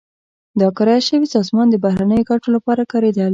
دا کرایه شوې سازمان د بهرنیو ګټو لپاره کارېدل.